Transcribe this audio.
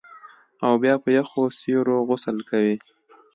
او بیا په یخو سیورو غسل کوي